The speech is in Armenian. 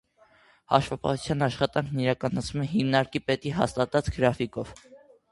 Հաշվապահության աշխատանքն իրականացվում է հիմնարկի պետի հաստատած գրաֆիկով։